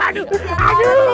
aduh aduh aduh